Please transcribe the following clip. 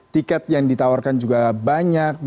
tiket yang ditawarkan juga banyak